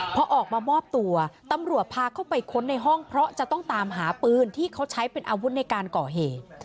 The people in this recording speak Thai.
พอออกมามอบตัวตำรวจพาเข้าไปค้นในห้องเพราะจะต้องตามหาปืนที่เขาใช้เป็นอาวุธในการก่อเหตุ